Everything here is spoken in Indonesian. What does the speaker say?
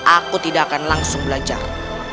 aku tidak akan langsung belajar